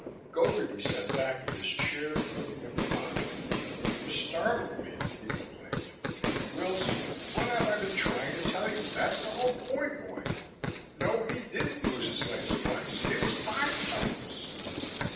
Gogarty sat back in his chair, looking at me oddly. "You startled me," he complained. "Wills, what have I been trying to tell you? That's the whole point, boy! No, he didn't lose his legs twice. It was five times!"